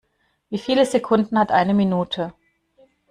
Wie viele Sekunden hat eine Minute?